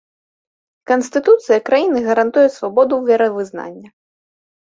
Канстытуцыя краіны гарантуе свабоду веравызнання.